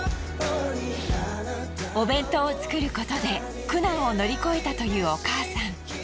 お弁当を作ることで苦難を乗り越えたというお母さん。